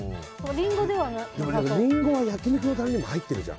リンゴは焼き肉のタレにも入ってるじゃん。